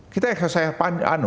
kita yang selesai banyak